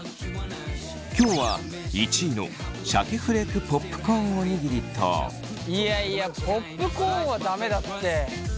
今日は１位のシャケフレークポップコーンおにぎりといやいやポップコーンは駄目だって。